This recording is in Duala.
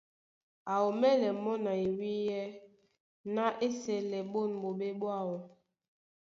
Á ómɛ́lɛ́ mɔ́ na iwíyɛ́ ná á esɛlɛ ɓôn ɓoɓé ɓwáō.